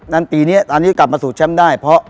ปีนี้อันนี้กลับมาสู่แชมป์ได้เพราะ